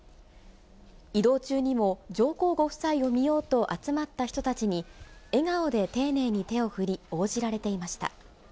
移動中にも、上皇ご夫妻を見ようと集まった人たちに、笑顔で丁寧に手を振り、応じられていました。